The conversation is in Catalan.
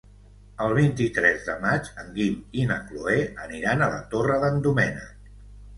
El vint-i-tres de maig en Guim i na Cloè aniran a la Torre d'en Doménec.